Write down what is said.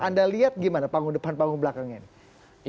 anda lihat bagaimana panggung depan panggung belakang ini